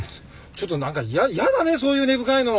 ちょっと何かやだねそういう根深いの。